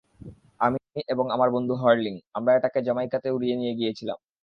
আমি এবং আমার বন্ধু হার্লিং, আমরা এটাকে জ্যামাইকাতে উড়িয়ে নিয়ে গেছিলাম।